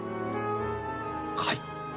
はい。